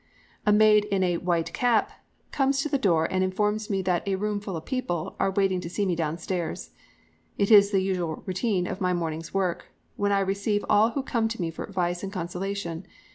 A maid in a "white cap" comes to the door and informs me that a "roomful of people" are waiting to see me downstairs. It is the usual routine of my morning's work, when I receive all who come to me for advice and consolation.